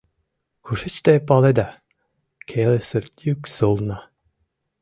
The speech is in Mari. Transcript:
Кушеч те паледа? — келесыр йӱк солна.